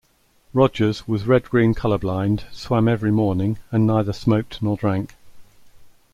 Rogers was red-green color blind, swam every morning, and neither smoked nor drank.